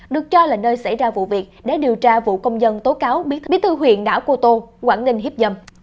được cho là nơi xảy ra vụ việc để điều tra vụ công dân tố cáo bí thư huyện đảo cô tô quảng ninh hiếp dâm